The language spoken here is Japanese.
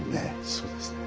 そうですね。